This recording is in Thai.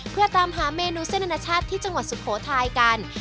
เพื่อตามหาเมนูเส้นอนาชาติที่จังหวัดสุโขทัยกัน